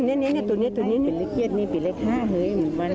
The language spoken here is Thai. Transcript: นี่ตัวนี้เป็นเลขเกียรตินี่เป็นเลขห้า